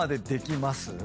できます？